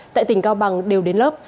tại tỉnh cao bằng đều đến lớp